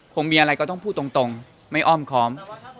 คงมีอะไรก็ต้องพูดตรงไม่อ้อมค้อม